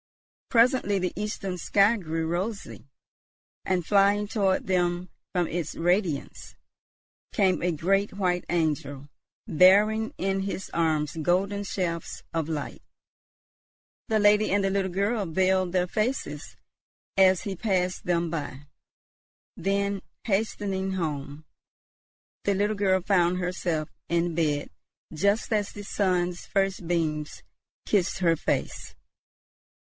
Presently the eastern sky grew rosy; and flying toward them from its radiance, came a great white angel bearing in his arms golden shafts of light. The lady and the little girl veiled their faces as he passed them by. Then, hastening home, the little girl found herself in bed just as the sun's first beams kissed her face.